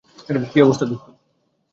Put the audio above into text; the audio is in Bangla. কী অবস্থা, দোস্ত?